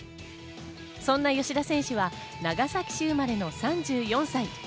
そんな吉田選手は長崎市生まれの３４歳。